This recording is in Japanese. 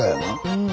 うん。